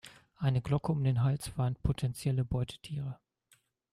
Eine Glocke um den Hals warnt potenzielle Beutetiere.